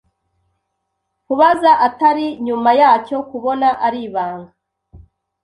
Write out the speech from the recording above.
kubaza atari nyuma yacyo kubona ari ibanga